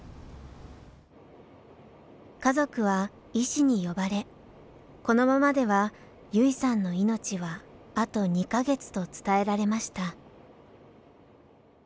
家族は医師に呼ばれこのままでは優生さんの命はあと２か月と伝えられました。